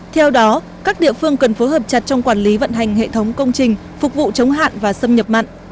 theo đó các địa phương cần phối hợp chặt trong quản lý vận hành hệ thống công trình phục vụ chống hạn và xâm nhập mặn